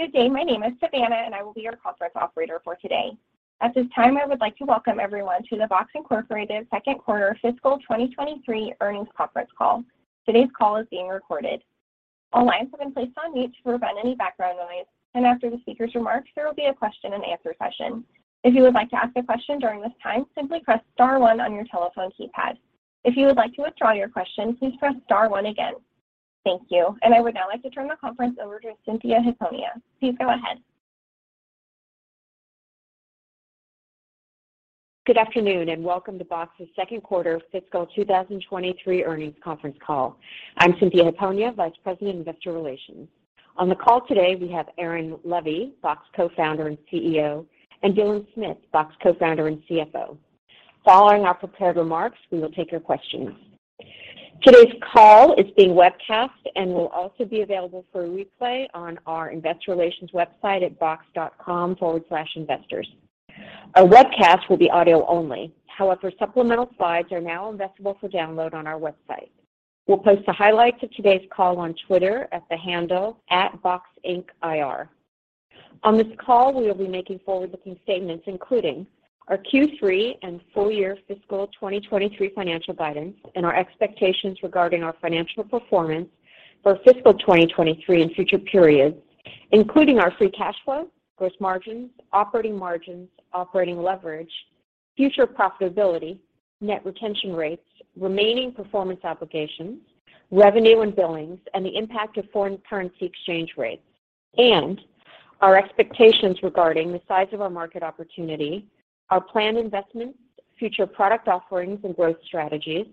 Good day. My name is Savannah, and I will be your conference operator for today. At this time, I would like to welcome everyone to the Box, Inc. Second Quarter Fiscal 2023 Earnings Conference Call. Today's call is being recorded. All lines have been placed on mute to prevent any background noise, and after the speaker's remarks, there will be a question and answer session. If you would like to ask a question during this time, simply press star one on your telephone keypad. If you would like to withdraw your question, please press star one again. Thank you. I would now like to turn the conference over to Cynthia Hiponia. Please go ahead. Good afternoon, and welcome to Box's Second Quarter Fiscal 2023 Earnings Conference Call. I'm Cynthia Hiponia, Vice President, Investor Relations. On the call today we have Aaron Levie, Box Co-founder and CEO, and Dylan Smith, Box Co-founder and CFO. Following our prepared remarks, we will take your questions. Today's call is being webcast and will also be available for a replay on our investor relations website at box.com/investors. Our webcast will be audio only. However, supplemental slides are now available for download on our website. We'll post the highlights of today's call on Twitter at the handle @BoxIncIR. On this call, we will be making forward-looking statements including our Q3 and full year fiscal 2023 financial guidance and our expectations regarding our financial performance for fiscal 2023 and future periods, including our free cash flow, gross margins, operating margins, operating leverage, future profitability, net retention rates, remaining performance obligations, revenue and billings, and the impact of foreign currency exchange rates, and our expectations regarding the size of our market opportunity, our planned investments, future product offerings and growth strategies,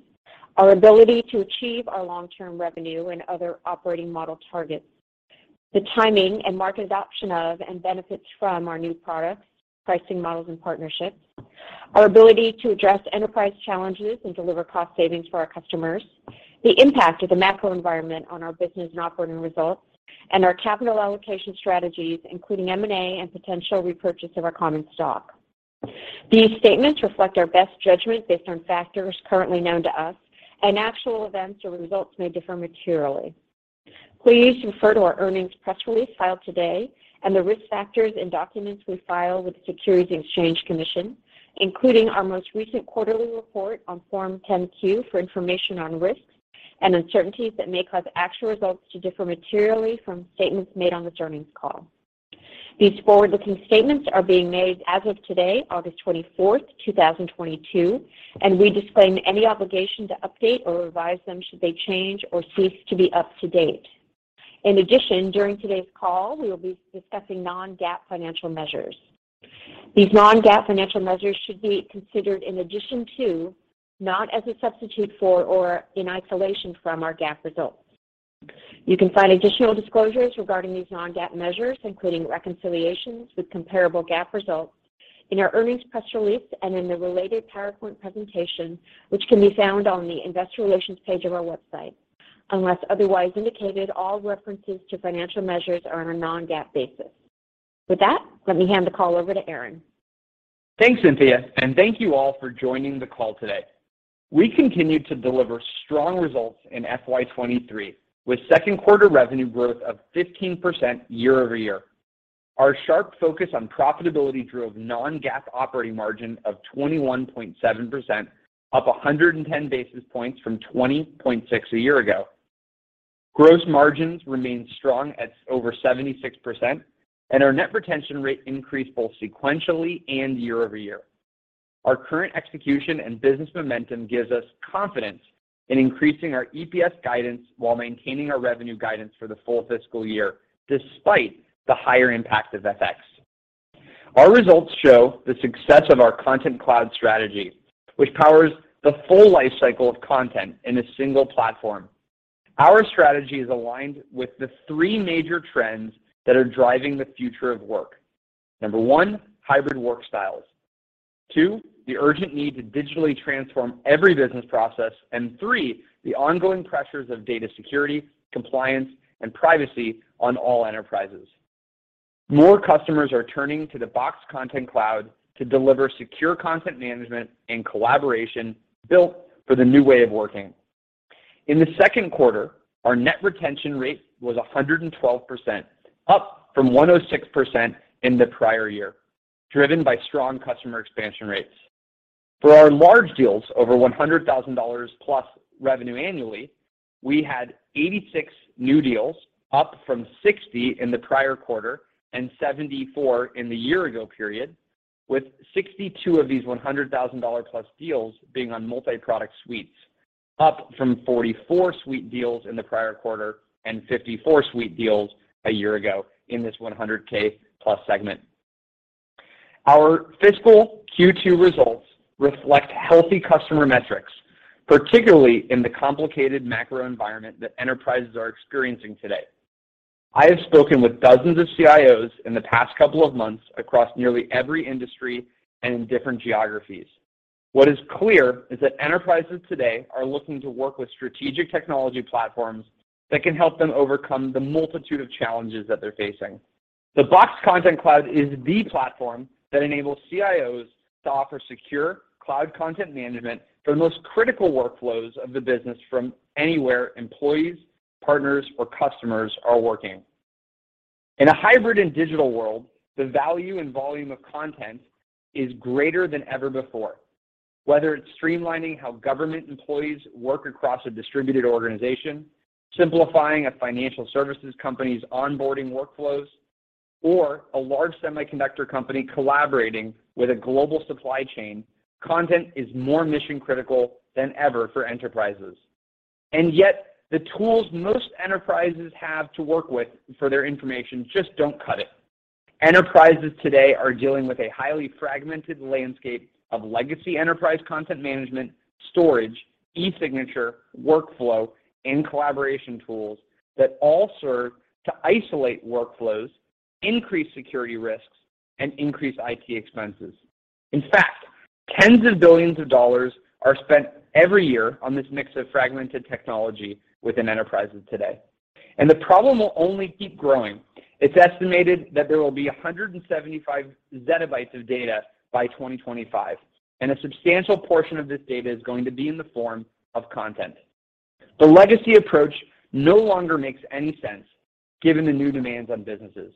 our ability to achieve our long-term revenue and other operating model targets, the timing and market adoption of and benefits from our new products, pricing models and partnerships, our ability to address enterprise challenges and deliver cost savings for our customers, the impact of the macro environment on our business and operating results, and our capital allocation strategies, including M&A and potential repurchase of our common stock. These statements reflect our best judgment based on factors currently known to us, and actual events or results may differ materially. Please refer to our earnings press release filed today and the risk factors and documents we file with the Securities and Exchange Commission, including our most recent quarterly report on Form 10-Q for information on risks and uncertainties that may cause actual results to differ materially from statements made on this earnings call. These forward-looking statements are being made as of today, August 24th, 2022, and we disclaim any obligation to update or revise them should they change or cease to be up to date. In addition, during today's call, we will be discussing non-GAAP financial measures. These non-GAAP financial measures should be considered in addition to, not as a substitute for or in isolation from, our GAAP results. You can find additional disclosures regarding these non-GAAP measures, including reconciliations with comparable GAAP results, in our earnings press release and in the related PowerPoint presentation, which can be found on the investor relations page of our website. Unless otherwise indicated, all references to financial measures are on a non-GAAP basis. With that, let me hand the call over to Aaron. Thanks, Cynthia, and thank you all for joining the call today. We continued to deliver strong results in FY 2023, with second quarter revenue growth of 15% year-over-year. Our sharp focus on profitability drove non-GAAP operating margin of 21.7%, up 110 basis points from 20.6 basis points a year ago. Gross margins remained strong at over 76%, and our net retention rate increased both sequentially and year-over-year. Our current execution and business momentum gives us confidence in increasing our EPS guidance while maintaining our revenue guidance for the full fiscal year, despite the higher impact of FX. Our results show the success of our Content Cloud strategy, which powers the full life cycle of content in a single platform. Our strategy is aligned with the three major trends that are driving the future of work. Number one, hybrid work styles. Two, the urgent need to digitally transform every business process. And three, the ongoing pressures of data security, compliance, and privacy on all enterprises. More customers are turning to the Box Content Cloud to deliver secure content management and collaboration built for the new way of working. In the second quarter, our net retention rate was 112%, up from 106% in the prior year, driven by strong customer expansion rates. For our large deals, over $100,000 plus revenue annually, we had 86 new deals, up from 60 in the prior quarter and 74 in the year ago period, with 62 of these $100,000 plus deals being on multi-product suites, up from 44 suite deals in the prior quarter and 54 suite deals a year ago in this 100,000+ segment. Our fiscal Q2 results reflect healthy customer metrics, particularly in the complicated macro environment that enterprises are experiencing today. I have spoken with dozens of CIOs in the past couple of months across nearly every industry and in different geographies. What is clear is that enterprises today are looking to work with strategic technology platforms that can help them overcome the multitude of challenges that they're facing. The Box Content Cloud is the platform that enables CIOs to offer secure cloud content management for the most critical workflows of the business from anywhere employees, partners, or customers are working. In a hybrid and digital world, the value and volume of content is greater than ever before. Whether it's streamlining how government employees work across a distributed organization, simplifying a financial services company's onboarding workflows, or a large semiconductor company collaborating with a global supply chain, content is more mission-critical than ever for enterprises. Yet, the tools most enterprises have to work with for their information just don't cut it. Enterprises today are dealing with a highly fragmented landscape of legacy enterprise content management, storage, e-signature, workflow, and collaboration tools that all serve to isolate workflows, increase security risks, and increase IT expenses. In fact, tens of billions of dollars are spent every year on this mix of fragmented technology within enterprises today, and the problem will only keep growing. It's estimated that there will be 175 ZB of data by 2025, and a substantial portion of this data is going to be in the form of content. The legacy approach no longer makes any sense given the new demands on businesses.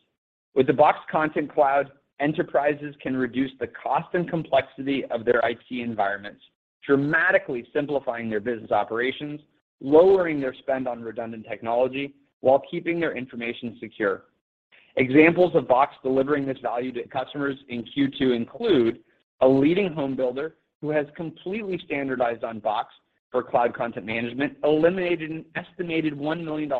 With the Box Content Cloud, enterprises can reduce the cost and complexity of their IT environments, dramatically simplifying their business operations, lowering their spend on redundant technology while keeping their information secure. Examples of Box delivering this value to customers in Q2 include a leading home builder who has completely standardized on Box for cloud content management, eliminating an estimated $1 million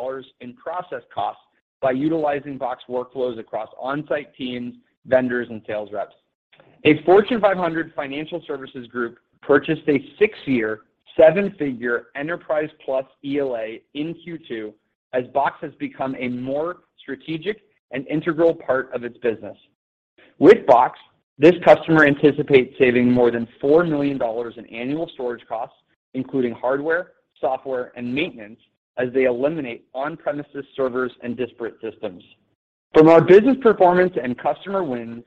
in process costs by utilizing Box workflows across on-site teams, vendors, and sales reps. A Fortune 500 financial services group purchased a six-year, seven-figure Enterprise Plus ELA in Q2 as Box has become a more strategic and integral part of its business. With Box, this customer anticipates saving more than $4 million in annual storage costs, including hardware, software, and maintenance as they eliminate on-premises servers and disparate systems. From our business performance and customer wins,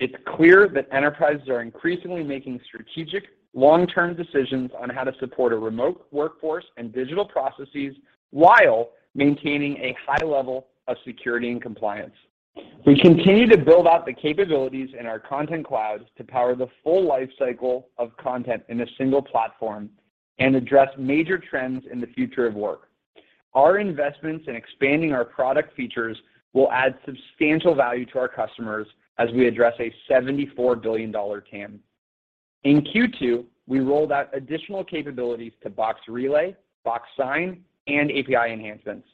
it's clear that enterprises are increasingly making strategic long-term decisions on how to support a remote workforce and digital processes while maintaining a high level of security and compliance. We continue to build out the capabilities in our Content Cloud to power the full life cycle of content in a single platform and address major trends in the future of work. Our investments in expanding our product features will add substantial value to our customers as we address a $74 billion TAM. In Q2, we rolled out additional capabilities to Box Relay, Box Sign, and API enhancements.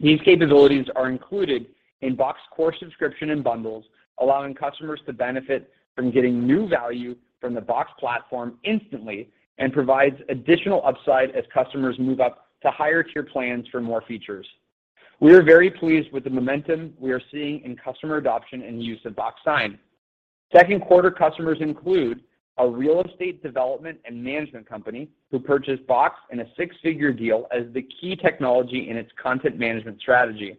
These capabilities are included in Box Core subscription and bundles, allowing customers to benefit from getting new value from the Box platform instantly and provides additional upside as customers move up to higher tier plans for more features. We are very pleased with the momentum we are seeing in customer adoption and use of Box Sign. Second quarter customers include a real estate development and management company who purchased Box in a six-figure deal as the key technology in its content management strategy.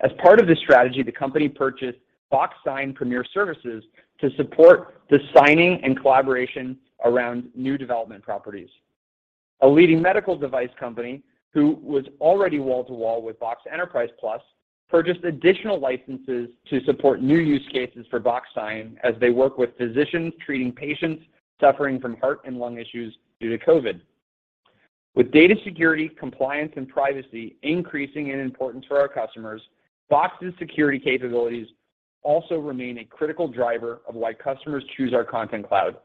As part of this strategy, the company purchased Box Sign Premier Services to support the signing and collaboration around new development properties. A leading medical device company, who was already wall-to-wall with Box Enterprise Plus, purchased additional licenses to support new use cases for Box Sign as they work with physicians treating patients suffering from heart and lung issues due to COVID. With data security, compliance, and privacy increasing in importance for our customers, Box's security capabilities also remain a critical driver of why customers choose our Content Cloud.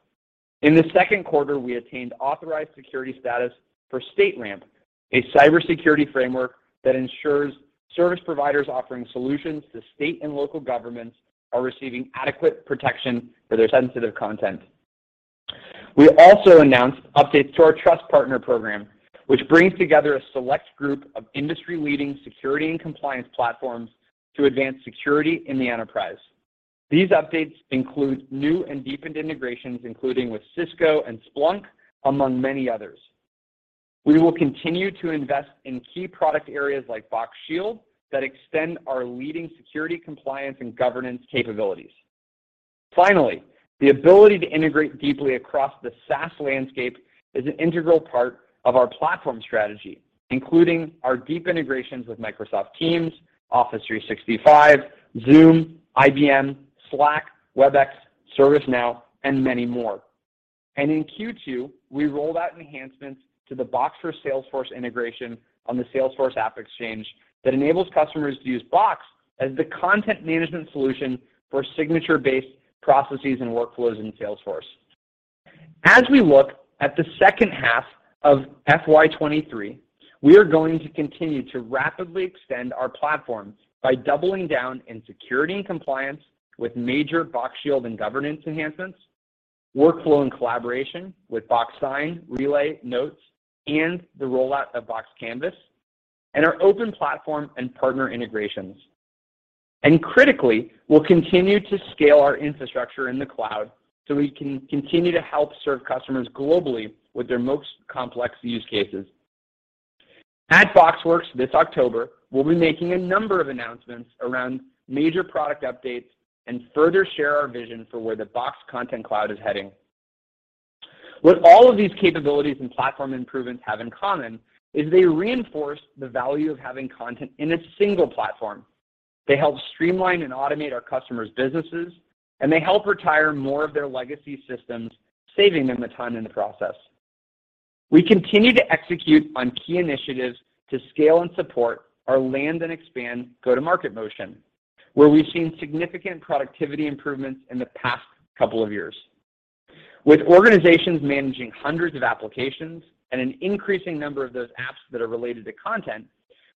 In the second quarter, we attained authorized security status for StateRAMP, a cybersecurity framework that ensures service providers offering solutions to state and local governments are receiving adequate protection for their sensitive content. We also announced updates to our Trust Partner Program, which brings together a select group of industry-leading security and compliance platforms to advance security in the enterprise. These updates include new and deepened integrations, including with Cisco and Splunk, among many others. We will continue to invest in key product areas like Box Shield that extend our leading security compliance and governance capabilities. Finally, the ability to integrate deeply across the SaaS landscape is an integral part of our platform strategy, including our deep integrations with Microsoft Teams, Office 365, Zoom, IBM, Slack, Webex, ServiceNow, and many more. In Q2, we rolled out enhancements to the Box for Salesforce integration on the Salesforce AppExchange that enables customers to use Box as the content management solution for signature-based processes and workflows in Salesforce. As we look at the second half of FY 2023, we are going to continue to rapidly extend our platforms by doubling down in security and compliance with major Box Shield and governance enhancements, workflow and collaboration with Box Sign, Relay, Notes, and the rollout of Box Canvas, and our open platform and partner integrations. Critically, we'll continue to scale our infrastructure in the cloud so we can continue to help serve customers globally with their most complex use cases. At BoxWorks this October, we'll be making a number of announcements around major product updates and further share our vision for where the Box Content Cloud is heading. What all of these capabilities and platform improvements have in common is they reinforce the value of having content in a single platform. They help streamline and automate our customers' businesses, and they help retire more of their legacy systems, saving them a ton in the process. We continue to execute on key initiatives to scale and support our land and expand go-to-market motion, where we've seen significant productivity improvements in the past couple of years. With organizations managing hundreds of applications and an increasing number of those apps that are related to content,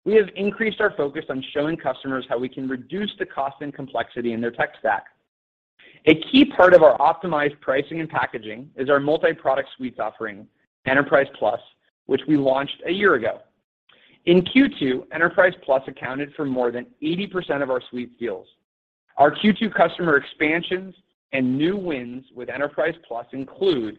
we have increased our focus on showing customers how we can reduce the cost and complexity in their tech stack. A key part of our optimized pricing and packaging is our multi-product suites offering, Enterprise Plus, which we launched a year ago. In Q2, Enterprise Plus accounted for more than 80% of our suite deals. Our Q2 customer expansions and new wins with Enterprise Plus include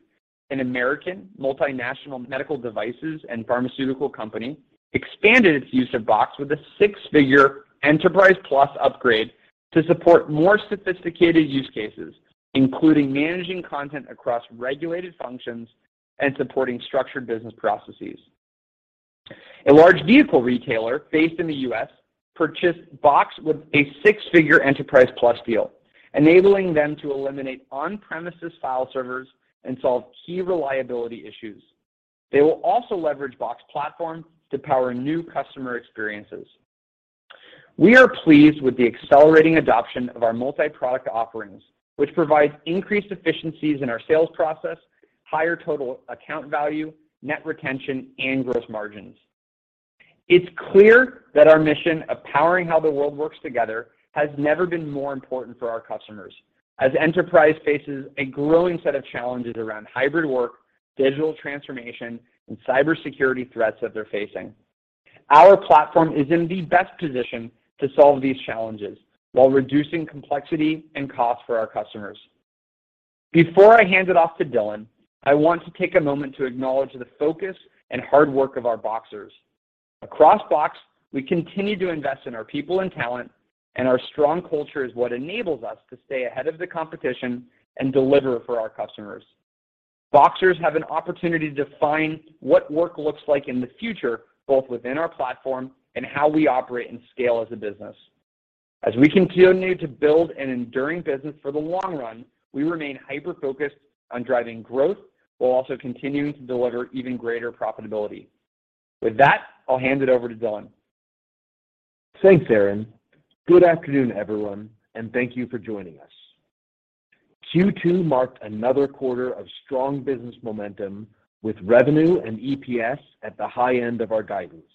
an American multinational medical devices and pharmaceutical company expanded its use of Box with a six-figure Enterprise Plus upgrade to support more sophisticated use cases, including managing content across regulated functions and supporting structured business processes. A large vehicle retailer based in the U.S. purchased Box with a six-figure Enterprise Plus deal, enabling them to eliminate on-premises file servers and solve key reliability issues. They will also leverage Box Platform to power new customer experiences. We are pleased with the accelerating adoption of our multi-product offerings, which provides increased efficiencies in our sales process, higher total account value, net retention, and gross margins. It's clear that our mission of powering how the world works together has never been more important for our customers as enterprise faces a growing set of challenges around hybrid work, digital transformation, and cybersecurity threats that they're facing. Our platform is in the best position to solve these challenges while reducing complexity and cost for our customers. Before I hand it off to Dylan, I want to take a moment to acknowledge the focus and hard work of our Boxers. Across Box, we continue to invest in our people and talent, and our strong culture is what enables us to stay ahead of the competition and deliver for our customers. Boxers have an opportunity to define what work looks like in the future, both within our platform and how we operate and scale as a business. As we continue to build an enduring business for the long run, we remain hyper-focused on driving growth while also continuing to deliver even greater profitability. With that, I'll hand it over to Dylan. Thanks, Aaron. Good afternoon, everyone, and thank you for joining us. Q2 marked another quarter of strong business momentum with revenue and EPS at the high end of our guidance.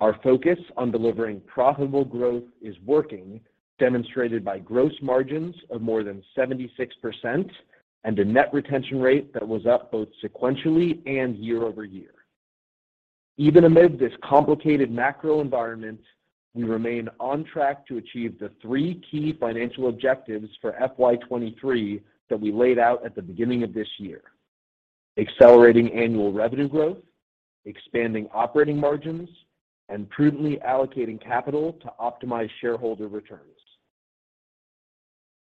Our focus on delivering profitable growth is working, demonstrated by gross margins of more than 76% and a net retention rate that was up both sequentially and year-over-year. Even amid this complicated macro environment, we remain on track to achieve the three key financial objectives for FY 2023 that we laid out at the beginning of this year, accelerating annual revenue growth, expanding operating margins, and prudently allocating capital to optimize shareholder returns.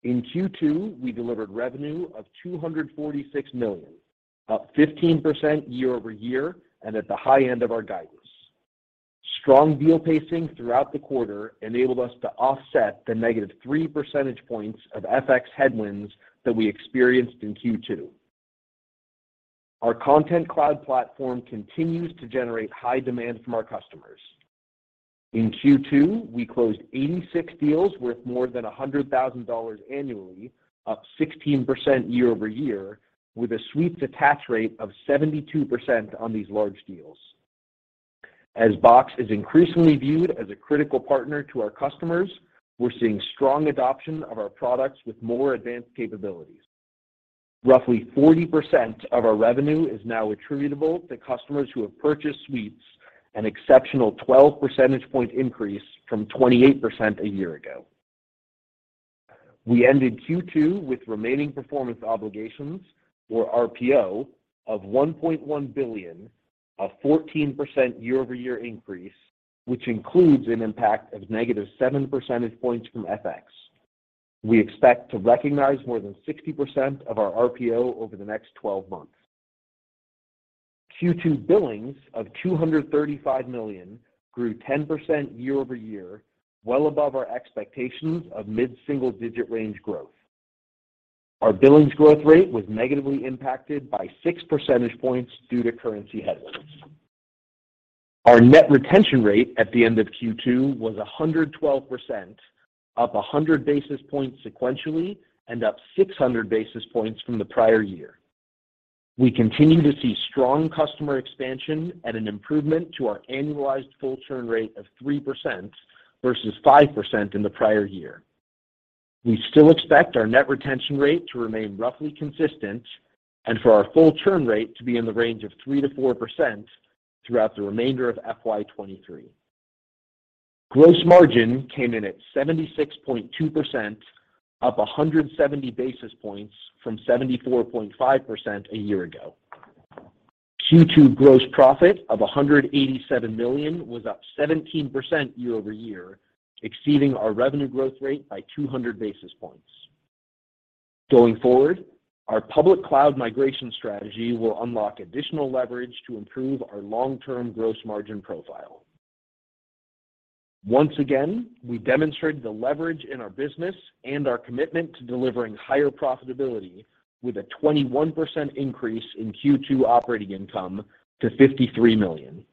In Q2, we delivered revenue of $246 million, up 15% year-over-year and at the high end of our guidance. Strong deal pacing throughout the quarter enabled us to offset the -3 percentage points of FX headwinds that we experienced in Q2. Our Content Cloud platform continues to generate high demand from our customers. In Q2, we closed 86 deals worth more than $100,000 annually, up 16% year-over-year, with a suite attach rate of 72% on these large deals. As Box is increasingly viewed as a critical partner to our customers, we're seeing strong adoption of our products with more advanced capabilities. Roughly 40% of our revenue is now attributable to customers who have purchased suites, an exceptional 12 percentage point increase from 28% a year ago. We ended Q2 with remaining performance obligations, or RPO, of $1.1 billion, a 14% year-over-year increase, which includes an impact of -7 percentage points from FX. We expect to recognize more than 60% of our RPO over the next 12 months. Q2 billings of $235 million grew 10% year-over-year, well above our expectations of mid-single-digit range growth. Our billings growth rate was negatively impacted by 6 percentage points due to currency headwinds. Our net retention rate at the end of Q2 was 112%, up 100 basis points sequentially and up 600 basis points from the prior year. We continue to see strong customer expansion and an improvement to our annualized churn rate of 3% versus 5% in the prior year. We still expect our net retention rate to remain roughly consistent and for our churn rate to be in the range of 3%-4% throughout the remainder of FY 2023. Gross margin came in at 76.2%, up 170 basis points from 74.5% a year ago. Q2 gross profit of $187 million was up 17% year-over-year, exceeding our revenue growth rate by 200 basis points. Going forward, our public cloud migration strategy will unlock additional leverage to improve our long-term gross margin profile. Once again, we demonstrated the leverage in our business and our commitment to delivering higher profitability with a 21% increase in Q2 operating income to $53 million.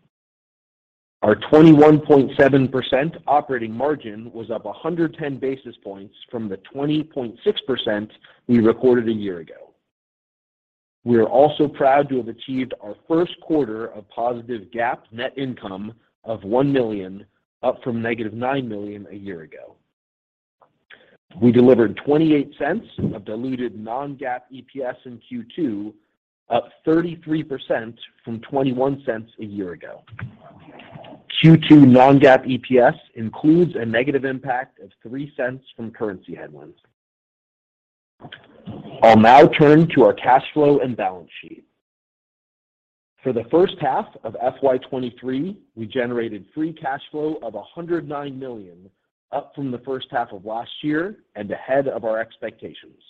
Our 21.7% operating margin was up 110 basis points from the 20.6% we recorded a year ago. We are also proud to have achieved our first quarter of positive GAAP net income of $1 million, up from -$9 million a year ago. We delivered $0.28 of diluted non-GAAP EPS in Q2, up 33% from $0.21 a year ago. Q2 non-GAAP EPS includes a negative impact of $0.03 from currency headwinds. I'll now turn to our cash flow and balance sheet. For the first half of FY 2023, we generated free cash flow of $109 million, up from the first half of last year and ahead of our expectations.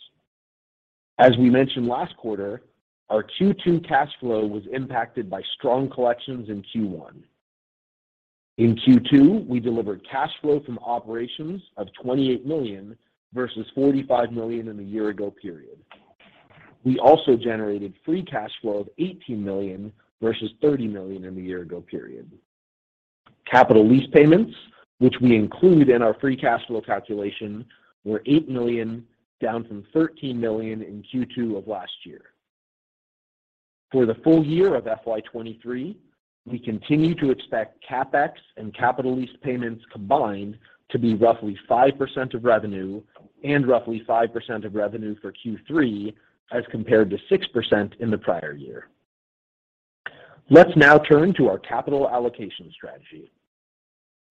As we mentioned last quarter, our Q2 cash flow was impacted by strong collections in Q1. In Q2, we delivered cash flow from operations of $28 million versus $45 million in the year ago period. We also generated free cash flow of $18 million versus $30 million in the year ago period. Capital lease payments, which we include in our free cash flow calculation, were $8 million, down from $13 million in Q2 of last year. For the full year of FY 2023, we continue to expect CapEx and capital lease payments combined to be roughly 5% of revenue and roughly 5% of revenue for Q3, as compared to 6% in the prior year. Let's now turn to our capital allocation strategy.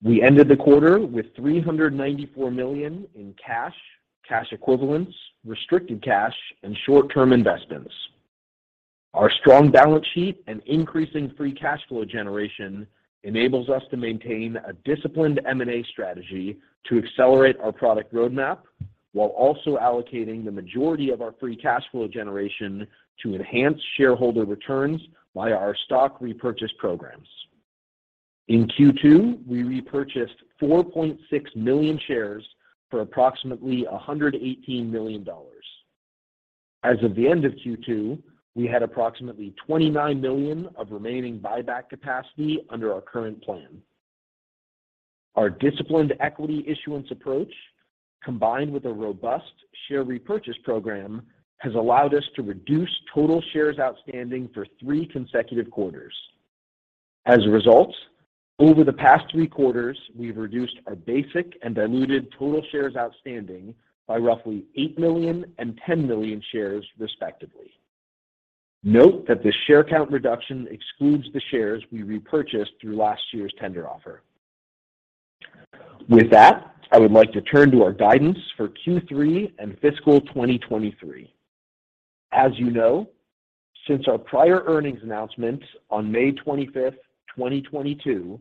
We ended the quarter with $394 million in cash equivalents, restricted cash, and short-term investments. Our strong balance sheet and increasing free cash flow generation enables us to maintain a disciplined M&A strategy to accelerate our product roadmap while also allocating the majority of our free cash flow generation to enhance shareholder returns via our stock repurchase programs. In Q2, we repurchased 4.6 million shares for approximately $118 million. As of the end of Q2, we had approximately 29 million of remaining buyback capacity under our current plan. Our disciplined equity issuance approach, combined with a robust share repurchase program, has allowed us to reduce total shares outstanding for three consecutive quarters. As a result, over the past three quarters, we've reduced our basic and diluted total shares outstanding by roughly eight million and 10 million shares, respectively. Note that the share count reduction excludes the shares we repurchased through last year's tender offer. With that, I would like to turn to our guidance for Q3 and fiscal 2023. As you know, since our prior earnings announcement on May 25th, 2022,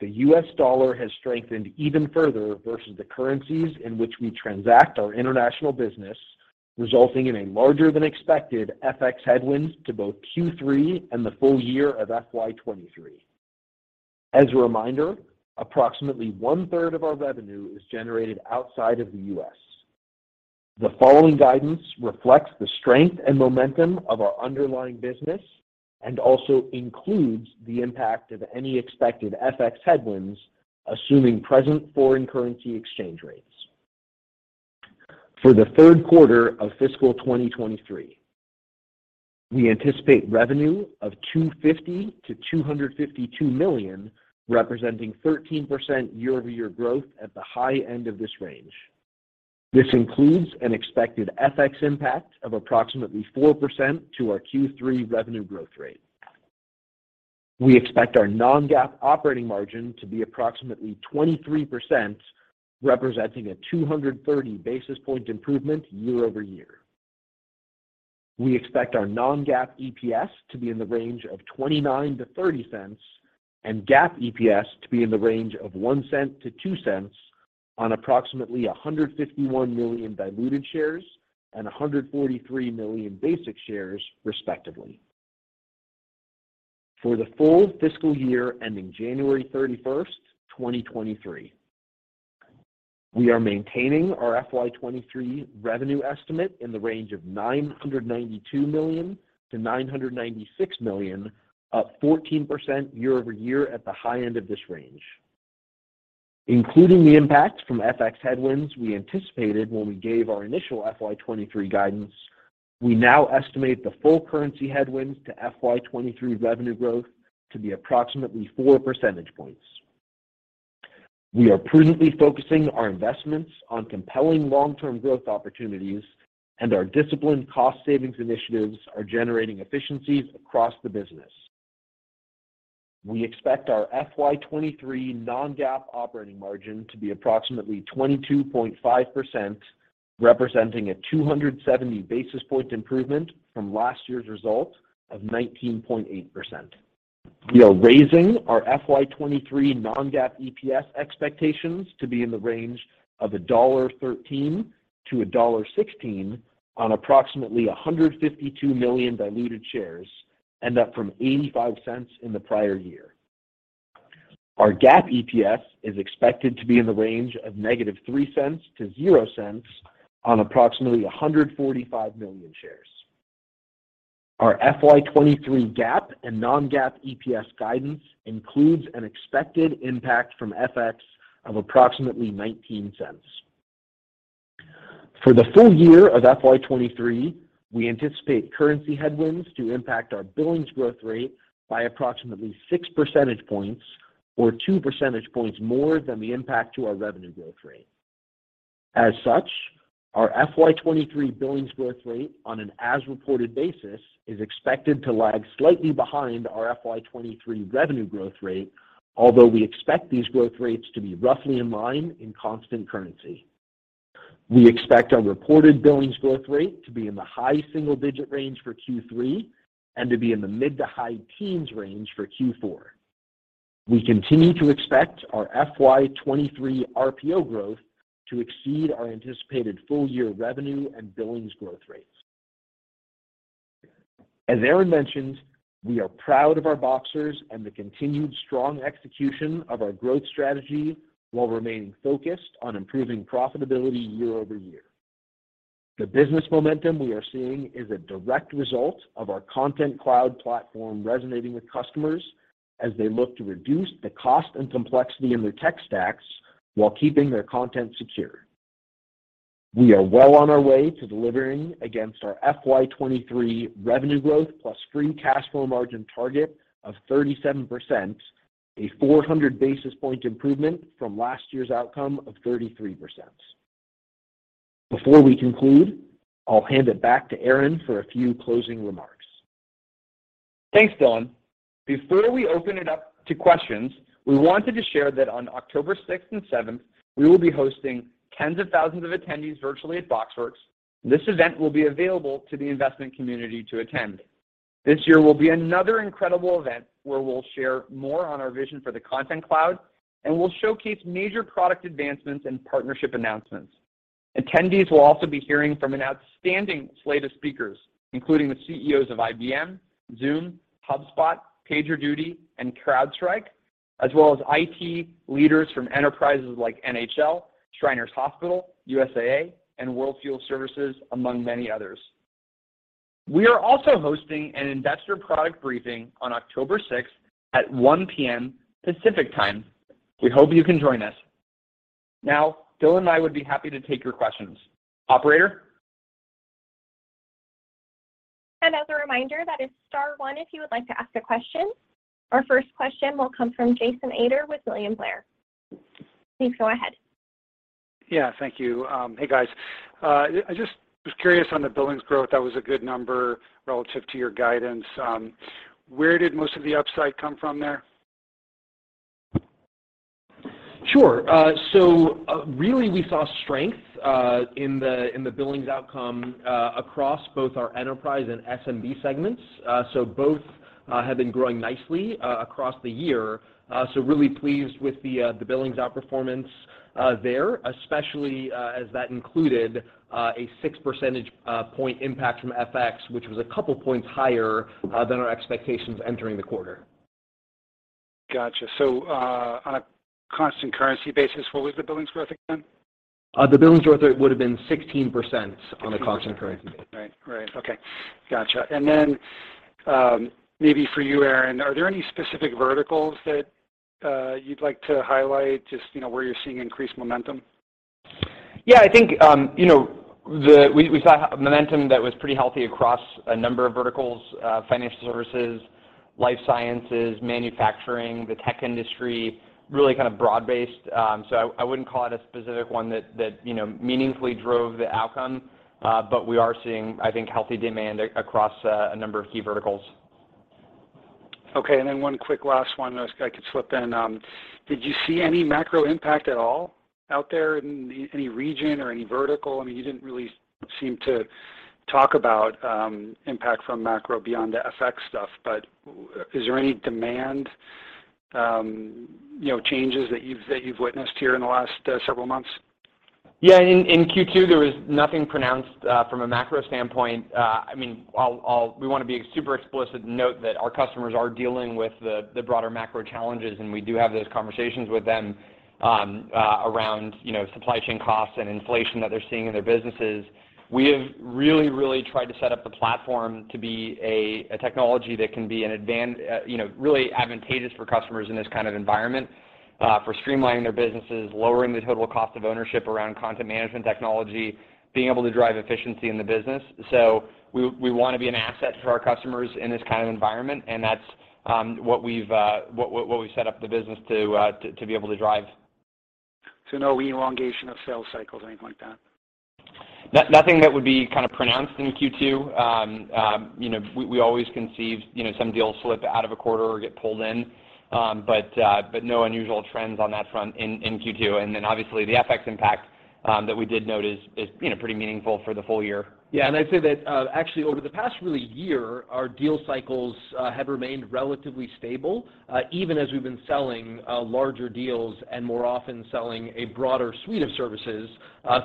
the U.S. dollar has strengthened even further versus the currencies in which we transact our international business, resulting in a larger than expected FX headwinds to both Q3 and the full year of FY 2023. As a reminder, approximately 1/3 of our revenue is generated outside of the U.S. The following guidance reflects the strength and momentum of our underlying business and also includes the impact of any expected FX headwinds, assuming present foreign currency exchange rates. For the third quarter of fiscal 2023, we anticipate revenue of $250 million-$252 million, representing 13% year-over-year growth at the high end of this range. This includes an expected FX impact of approximately 4% to our Q3 revenue growth rate. We expect our non-GAAP operating margin to be approximately 23%, representing a 230 basis point improvement year over year. We expect our non-GAAP EPS to be in the range of $0.29-$0.30, and GAAP EPS to be in the range of $0.01-$0.02 on approximately 151 million diluted shares and 143 million basic shares, respectively. For the full fiscal year ending January 31st, 2023, we are maintaining our FY 2023 revenue estimate in the range of $992 million-$996 million, up 14% year-over-year at the high end of this range. Including the impact from FX headwinds we anticipated when we gave our initial FY 2023 guidance, we now estimate the full currency headwinds to FY 2023 revenue growth to be approximately 4 percentage points. We are prudently focusing our investments on compelling long-term growth opportunities, and our disciplined cost savings initiatives are generating efficiencies across the business. We expect our FY 2023 non-GAAP operating margin to be approximately 22.5%, representing a 270 basis point improvement from last year's result of 19.8%. We are raising our FY 2023 non-GAAP EPS expectations to be in the range of $1.13-$1.16 on approximately 152 million diluted shares, and up from $0.85 in the prior year. Our GAAP EPS is expected to be in the range of -$0.03 to $0.00 on approximately 145 million shares. Our FY 2023 GAAP and non-GAAP EPS guidance includes an expected impact from FX of approximately $0.19. For the full year of FY 2023, we anticipate currency headwinds to impact our billings growth rate by approximately 6 percentage points or 2 percentage points more than the impact to our revenue growth rate. As such, our FY 2023 billings growth rate on an as-reported basis is expected to lag slightly behind our FY 2023 revenue growth rate, although we expect these growth rates to be roughly in line in constant currency. We expect our reported billings growth rate to be in the high single-digit range for Q3 and to be in the mid to high teens range for Q4. We continue to expect our FY 2023 RPO growth to exceed our anticipated full year revenue and billings growth rates. As Aaron mentioned, we are proud of our Boxers and the continued strong execution of our growth strategy while remaining focused on improving profitability year-over-year. The business momentum we are seeing is a direct result of our Content Cloud platform resonating with customers as they look to reduce the cost and complexity in their tech stacks while keeping their content secure. We are well on our way to delivering against our FY 2023 revenue growth plus free cash flow margin target of 37%, a 400 basis point improvement from last year's outcome of 33%. Before we conclude, I'll hand it back to Aaron for a few closing remarks. Thanks, Dylan. Before we open it up to questions, we wanted to share that on October 6th and 7th, we will be hosting tens of thousands of attendees virtually at BoxWorks. This event will be available to the investment community to attend. This year will be another incredible event where we'll share more on our vision for the Content Cloud, and we'll showcase major product advancements and partnership announcements. Attendees will also be hearing from an outstanding slate of speakers, including the CEOs of IBM, Zoom, HubSpot, PagerDuty, and CrowdStrike, as well as IT leaders from enterprises like NHL, Shriners Hospitals, USAA, and World Fuel Services, among many others. We are also hosting an investor product briefing on October 6th at 1:00 P.M. Pacific Time. We hope you can join us. Now, Dylan and I would be happy to take your questions. Operator? As a reminder, that is star one if you would like to ask a question. Our first question will come from Jason Ader with William Blair. Please go ahead. Yeah, thank you. Hey, guys. I just was curious on the billings growth. That was a good number relative to your guidance. Where did most of the upside come from there? Sure. Really we saw strength in the billings outcome across both our enterprise and SMB segments. Both have been growing nicely across the year. Really pleased with the billings outperformance there, especially as that included a 6 percentage point impact from FX, which was a couple points higher than our expectations entering the quarter. Gotcha. On a constant currency basis, what was the billings growth again? The billings growth rate would have been 16% on a constant currency. 16%. Right. Okay. Gotcha. Maybe for you, Aaron, are there any specific verticals that you'd like to highlight, just, you know, where you're seeing increased momentum? Yeah, I think, you know, we saw momentum that was pretty healthy across a number of verticals, financial services, life sciences, manufacturing, the tech industry, really kind of broad-based. I wouldn't call it a specific one that you know, meaningfully drove the outcome. We are seeing, I think, healthy demand across a number of key verticals. Okay. One quick last one I could slip in. Did you see any macro impact at all out there in any region or any vertical? I mean, you didn't really seem to talk about impact from macro beyond the FX stuff, but is there any demand, you know, changes that you've witnessed here in the last several months? Yeah. In Q2, there was nothing pronounced from a macro standpoint. We want to be super explicit and note that our customers are dealing with the broader macro challenges, and we do have those conversations with them around, you know, supply chain costs and inflation that they're seeing in their businesses. We have really tried to set up the platform to be a technology that can be, you know, really advantageous for customers in this kind of environment for streamlining their businesses, lowering the total cost of ownership around content management technology, being able to drive efficiency in the business. We want to be an asset to our customers in this kind of environment, and that's what we've set up the business to be able to drive No elongation of sales cycles or anything like that? Nothing that would be kind of pronounced in Q2. You know, we always can see, you know, some deals slip out of a quarter or get pulled in. But no unusual trends on that front in Q2. Then obviously the FX impact that we did note is, you know, pretty meaningful for the full year. Yeah. I'd say that, actually over the past really year, our deal cycles have remained relatively stable, even as we've been selling larger deals and more often selling a broader suite of services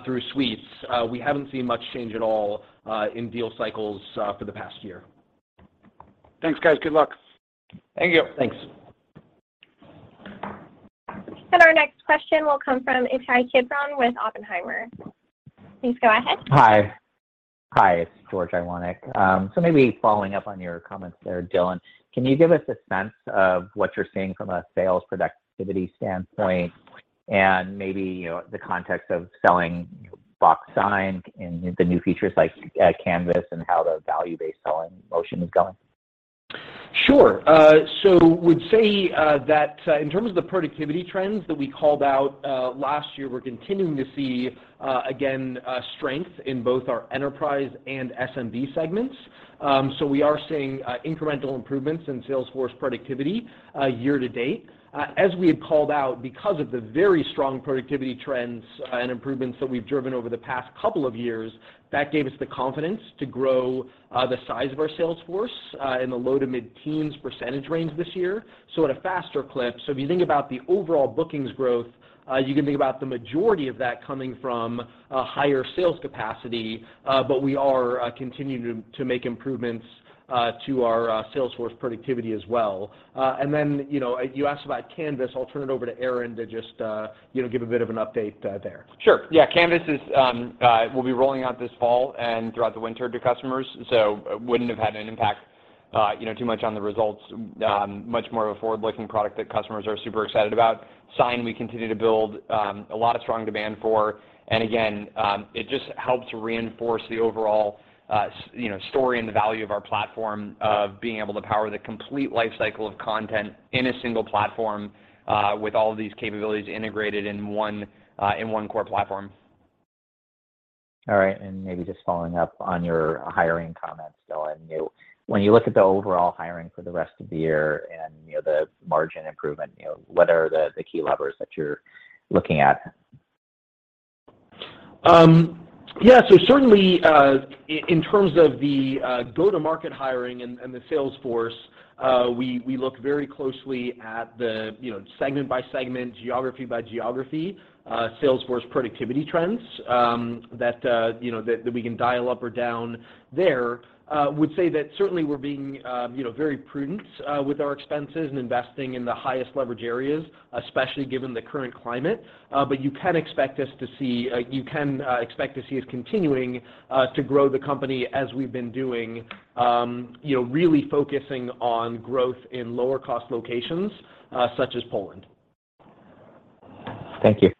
through suites. We haven't seen much change at all in deal cycles for the past year. Thanks, guys. Good luck. Thank you. Thanks. Our next question will come from Ittai Kidron with Oppenheimer. Please go ahead. Hi. Hi, it's George Iwanyc. Maybe following up on your comments there, Dylan, can you give us a sense of what you're seeing from a sales productivity standpoint and maybe, you know, the context of selling Box Sign and the new features like, Canvas and how the value-based selling motion is going? Sure. I would say that in terms of the productivity trends that we called out last year, we're continuing to see again strength in both our enterprise and SMB segments. We are seeing incremental improvements in sales force productivity year to date. As we had called out because of the very strong productivity trends and improvements that we've driven over the past couple of years, that gave us the confidence to grow the size of our sales force in the low-to-mid teens percentage range this year, so at a faster clip. If you think about the overall bookings growth, you can think about the majority of that coming from a higher sales capacity. We are continuing to make improvements to our sales force productivity as well. You know, you asked about Canvas. I'll turn it over to Aaron to just, you know, give a bit of an update there. Sure. Yeah, Canvas will be rolling out this fall and throughout the winter to customers, so wouldn't have had an impact, you know, too much on the results, much more of a forward-looking product that customers are super excited about. Sign, we continue to build a lot of strong demand for, and again, it just helps reinforce the overall, you know, story and the value of our platform of being able to power the complete life cycle of content in a single platform, with all of these capabilities integrated in one core platform. All right. Maybe just following up on your hiring comments, Dylan. You know, when you look at the overall hiring for the rest of the year and, you know, the margin improvement, you know, what are the key levers that you're looking at? Yeah. Certainly, in terms of the go-to-market hiring and the sales force, we look very closely at the, you know, segment by segment, geography by geography, sales force productivity trends that we can dial up or down there. Would say that certainly we're being very prudent with our expenses and investing in the highest leverage areas, especially given the current climate. You can expect to see us continuing to grow the company as we've been doing, you know, really focusing on growth in lower cost locations, such as Poland. Thank you.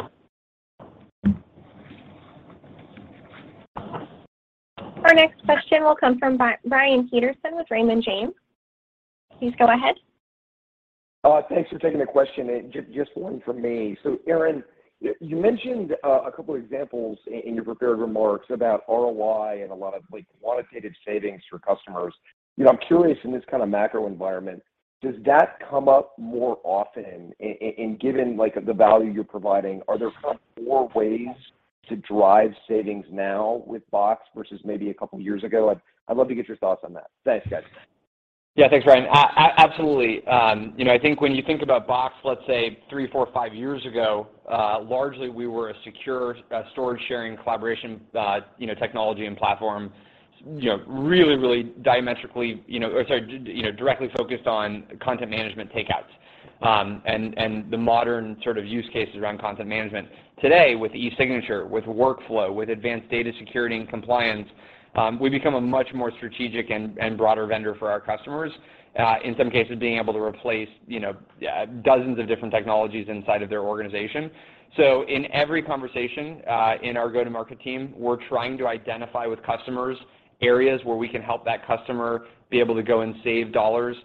Our next question will come from Brian Peterson with Raymond James. Please go ahead. Thanks for taking the question, and just one from me. Aaron, you mentioned a couple examples in your prepared remarks about ROI and a lot of like quantitative savings for customers. You know, I'm curious in this kind of macro environment, does that come up more often in given like the value you're providing, are there kind of more ways to drive savings now with Box versus maybe a couple years ago? I'd love to get your thoughts on that. Thanks, guys. Yeah, thanks, Brian. Absolutely. You know, I think when you think about Box, let's say three, four, five years ago, largely we were a secure storage sharing collaboration, you know, technology and platform, you know, really directly focused on content management takeouts, and the modern sort of use cases around content management. Today, with e-signature, with workflow, with advanced data security and compliance, we've become a much more strategic and broader vendor for our customers, in some cases, being able to replace, you know, dozens of different technologies inside of their organization. In every conversation in our go-to-market team, we're trying to identify with customers areas where we can help that customer be able to go and save dollars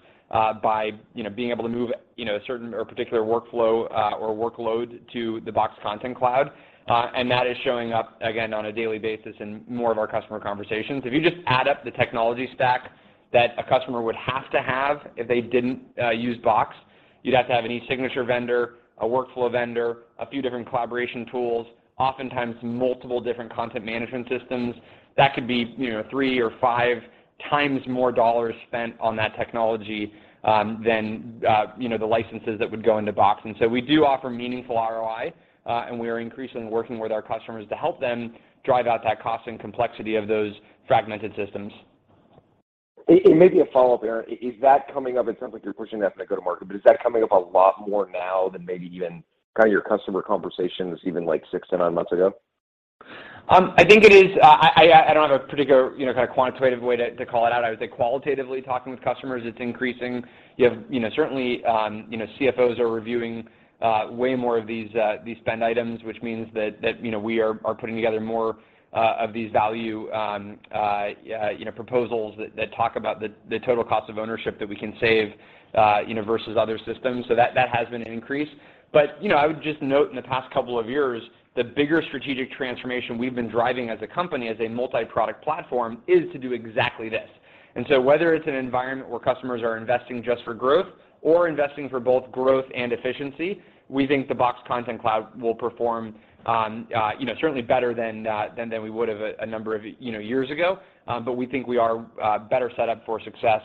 by, you know, being able to move, you know, a certain or particular workflow or workload to the Box Content Cloud. That is showing up again on a daily basis in more of our customer conversations. If you just add up the technology stack that a customer would have to have if they didn't use Box, you'd have to have an e-signature vendor, a workflow vendor, a few different collaboration tools, oftentimes multiple different content management systems. That could be, you know, three or five times more dollars spent on that technology than, you know, the licenses that would go into Box. We do offer meaningful ROI, and we are increasingly working with our customers to help them drive out that cost and complexity of those fragmented systems. Maybe a follow-up, Aaron. Is that coming up? It sounds like you're pushing that to go to market, but is that coming up a lot more now than maybe even kind of your customer conversations even like six to nine months ago? I think it is. I don't have a particular, you know, kind of quantitative way to call it out. I would say qualitatively talking with customers, it's increasing. You have, you know, certainly, you know, CFOs are reviewing way more of these spend items, which means that, you know, we are putting together more of these value, you know, proposals that talk about the total cost of ownership that we can save, you know, versus other systems. That has been an increase. You know, I would just note in the past couple of years, the bigger strategic transformation we've been driving as a company, as a multi-product platform is to do exactly this. Whether it's an environment where customers are investing just for growth or investing for both growth and efficiency, we think the Box Content Cloud will perform, you know, certainly better than than we would have a number of, you know, years ago. We think we are better set up for success,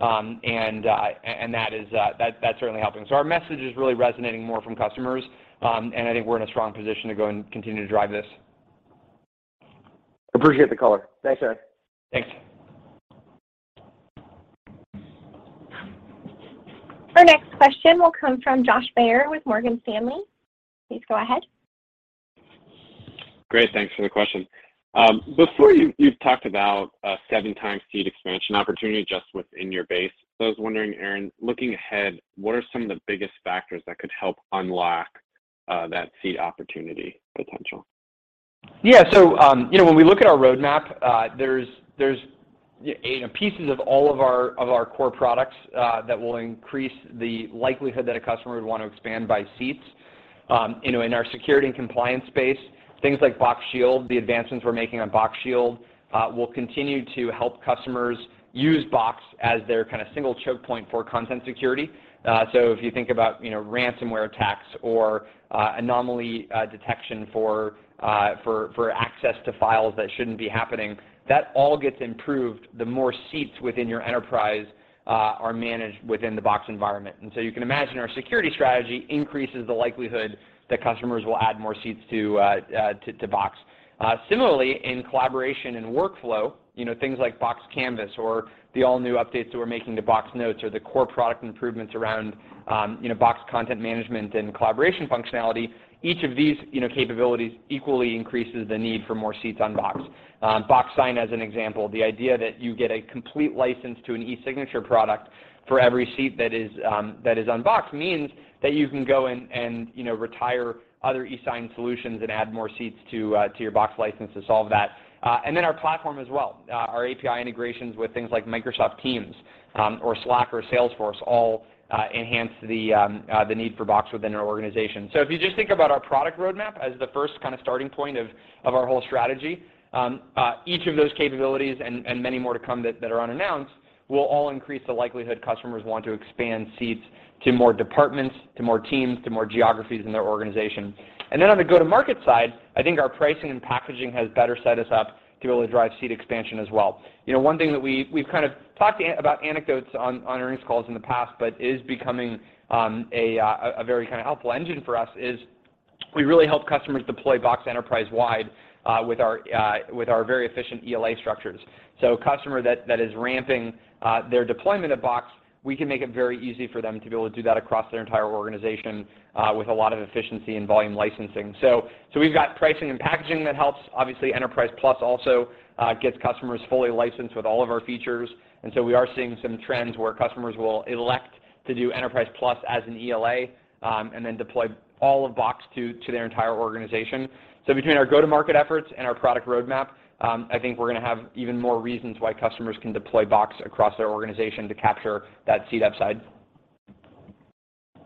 and that is that's certainly helping. Our message is really resonating more from customers, and I think we're in a strong position to go and continue to drive this. Appreciate the color. Thanks, Aaron. Thanks. Our next question will come from Josh Baer with Morgan Stanley. Please go ahead. Great. Thanks for the question. You've talked about a seven times seat expansion opportunity just within your base. I was wondering, Aaron, looking ahead, what are some of the biggest factors that could help unlock that seat opportunity potential? Yeah, you know, when we look at our roadmap, there's you know pieces of all of our core products that will increase the likelihood that a customer would want to expand by seats. You know, in our security and compliance space, things like Box Shield, the advancements we're making on Box Shield, will continue to help customers use Box as their kind of single choke point for content security. If you think about you know ransomware attacks or anomaly detection for access to files that shouldn't be happening, that all gets improved the more seats within your enterprise are managed within the Box environment. You can imagine our security strategy increases the likelihood that customers will add more seats to Box. Similarly in collaboration and workflow, you know, things like Box Canvas or the all-new updates that we're making to Box Notes or the core product improvements around, you know, Box content management and collaboration functionality, each of these, you know, capabilities equally increases the need for more seats on Box. Box Sign as an example, the idea that you get a complete license to an e-signature product for every seat that is, that is on Box means that you can go and you know, retire other e-sign solutions and add more seats to your Box license to solve that. And then our platform as well, our API integrations with things like Microsoft Teams, or Slack or Salesforce all, enhance the need for Box within an organization. If you just think about our product roadmap as the first kind of starting point of our whole strategy, each of those capabilities and many more to come that are unannounced, will all increase the likelihood customers want to expand seats to more departments, to more teams, to more geographies in their organization. On the go-to-market side, I think our pricing and packaging has better set us up to be able to drive seat expansion as well. You know, one thing that we've kind of talked about anecdotes on earnings calls in the past, but is becoming a very kind of helpful engine for us, is we really help customers deploy Box enterprise-wide with our very efficient ELA structures. Customers that are ramping their deployment at Box, we can make it very easy for them to be able to do that across their entire organization with a lot of efficiency and volume licensing. We've got pricing and packaging that helps. Obviously, Enterprise Plus also gets customers fully licensed with all of our features. We are seeing some trends where customers will elect to do Enterprise Plus as an ELA, and then deploy all of Box to their entire organization. Between our go-to-market efforts and our product roadmap, I think we're gonna have even more reasons why customers can deploy Box across their organization to capture that seat upside.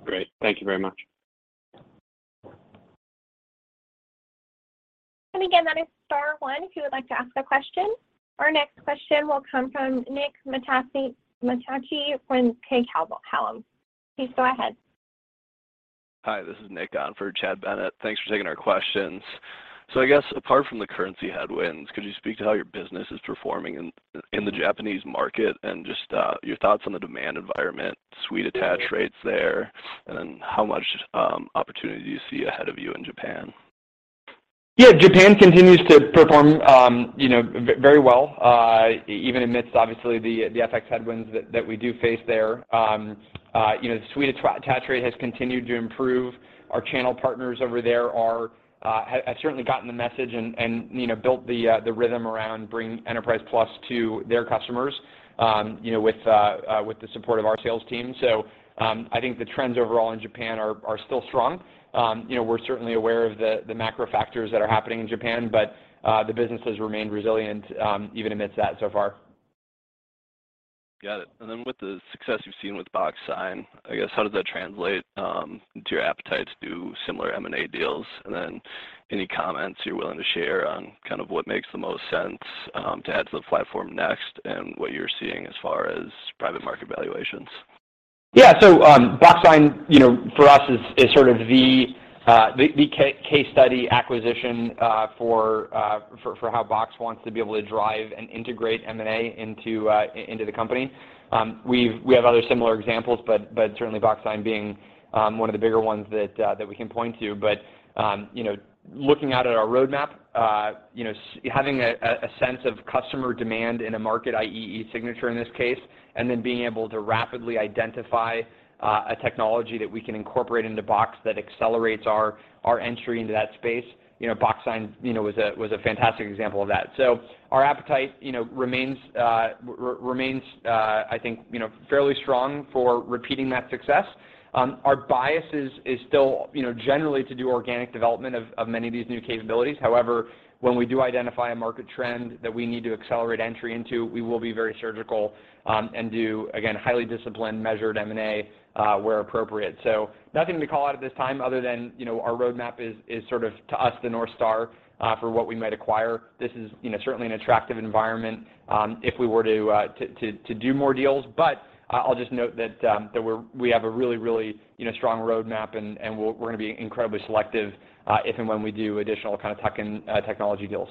Great. Thank you very much. Again, that is star one if you would like to ask a question. Our next question will come from Nick Mattiacci with Craig-Hallum. Please go ahead. Hi, this is Nick on for Chad Bennett. Thanks for taking our questions. I guess apart from the currency headwinds, could you speak to how your business is performing in the Japanese market and just your thoughts on the demand environment, suite attach rates there, and then how much opportunity do you see ahead of you in Japan? Yeah. Japan continues to perform, you know, very well, even amidst obviously the FX headwinds that we do face there. You know, the suite attach rate has continued to improve. Our channel partners over there have certainly gotten the message and you know, built the rhythm around bringing Enterprise Plus to their customers, you know, with the support of our sales team. I think the trends overall in Japan are still strong. You know, we're certainly aware of the macro factors that are happening in Japan, but the business has remained resilient, even amidst that so far. Got it. With the success you've seen with Box Sign, I guess how does that translate to your appetite to do similar M&A deals? Any comments you're willing to share on kind of what makes the most sense to add to the platform next and what you're seeing as far as private market valuations? Yeah. Box Sign, you know, for us is sort of the case study acquisition for how Box wants to be able to drive and integrate M&A into the company. We have other similar examples, but certainly Box Sign being one of the bigger ones that we can point to. You know, looking out at our roadmap, having a sense of customer demand in a market, i.e., e-signature in this case, and then being able to rapidly identify a technology that we can incorporate into Box that accelerates our entry into that space, you know, Box Sign was a fantastic example of that. Our appetite, you know, remains, I think, you know, fairly strong for repeating that success. Our bias is still, you know, generally to do organic development of many of these new capabilities. However, when we do identify a market trend that we need to accelerate entry into, we will be very surgical and do, again, highly disciplined, measured M&A where appropriate. Nothing to call out at this time other than, you know, our roadmap is sort of, to us, the North Star for what we might acquire. This is, you know, certainly an attractive environment if we were to do more deals. I'll just note that we have a really, you know, strong roadmap and we're gonna be incredibly selective if and when we do additional kind of tech and technology deals.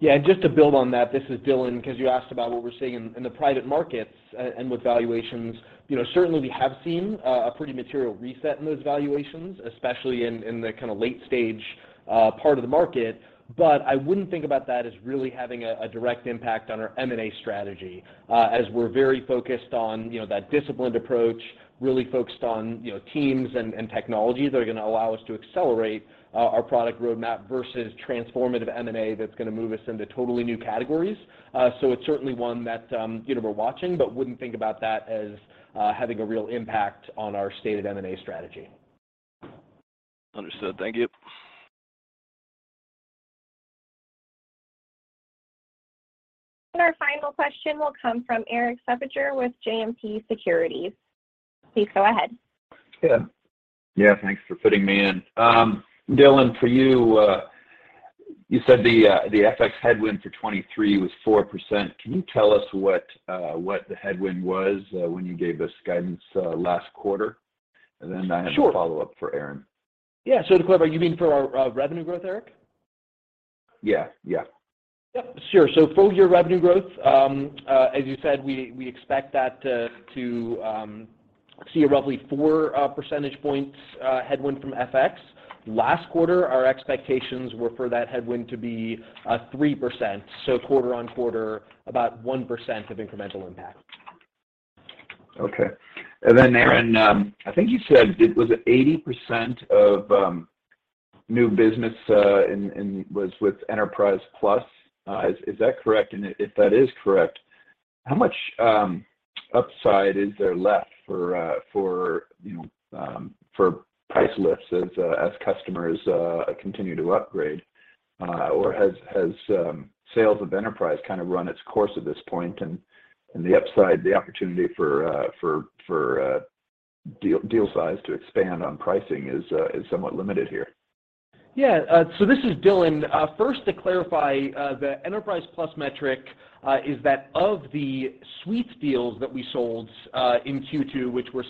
Yeah, just to build on that, this is Dylan, 'cause you asked about what we're seeing in the private markets and with valuations. You know, certainly we have seen a pretty material reset in those valuations, especially in the kinda late stage part of the market. But I wouldn't think about that as really having a direct impact on our M&A strategy, as we're very focused on, you know, that disciplined approach, really focused on, you know, teams and technology that are gonna allow us to accelerate our product roadmap versus transformative M&A that's gonna move us into totally new categories. So it's certainly one that, you know, we're watching, but wouldn't think about that as having a real impact on our stated M&A strategy. Understood. Thank you. Our final question will come from Erik Suppiger with JMP Securities. Please go ahead. Yeah, thanks for fitting me in. Dylan, for you said the FX headwind for 2023 was 4%. Can you tell us what the headwind was when you gave us guidance last quarter? Sure. I have a follow-up for Aaron. Yeah. To clarify, you mean for our revenue growth, Erik? Yeah, yeah. Yep, sure. Full-year revenue growth, as you said, we expect that to see a roughly 4 percentage points headwind from FX. Last quarter our expectations were for that headwind to be 3%, so quarter-over-quarter about 1% of incremental impact. Okay. Aaron, I think you said it was 80% of new business was with Enterprise Plus. Is that correct? If that is correct, how much upside is there left for, you know, price lifts as customers continue to upgrade? Has sales of Enterprise kind of run its course at this point and the upside, the opportunity for deal size to expand on pricing is somewhat limited here? Yeah. This is Dylan. First to clarify, the Enterprise Plus metric is that of the suites deals that we sold in Q2, which were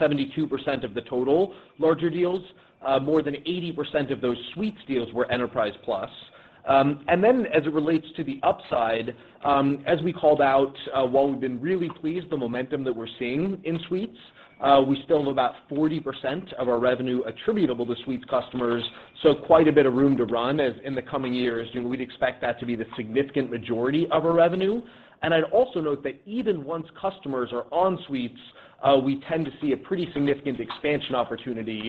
72% of the total larger deals, more than 80% of those suites deals were Enterprise Plus. Then as it relates to the upside, as we called out, while we've been really pleased, the momentum that we're seeing in suites, we still have about 40% of our revenue attributable to suites customers, so quite a bit of room to run as in the coming years, you know, we'd expect that to be the significant majority of our revenue. I'd also note that even once customers are on suites, we tend to see a pretty significant expansion opportunity.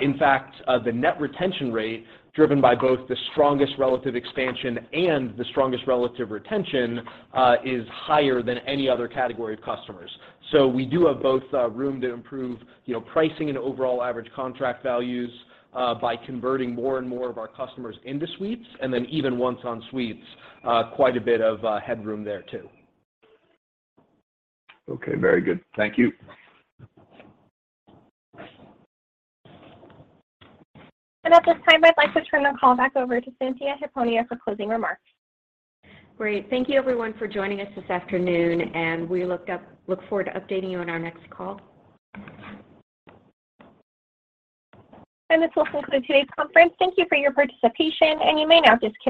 In fact, the net retention rate driven by both the strongest relative expansion and the strongest relative retention is higher than any other category of customers. We do have both room to improve, you know, pricing and overall average contract values by converting more and more of our customers into suites, and then even once on suites quite a bit of headroom there too. Okay, very good. Thank you. At this time, I'd like to turn the call back over to Cynthia Hiponia for closing remarks. Great. Thank you everyone for joining us this afternoon, and we look forward to updating you on our next call. This will close today's conference. Thank you for your participation, and you may now disconnect.